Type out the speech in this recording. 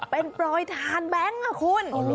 เป็นโปรดทานแบงค์คุณ